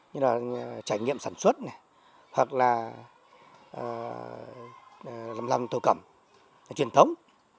như là trải nghiệm sản xuất này hoặc là làm lòng thổ cẩm truyền thống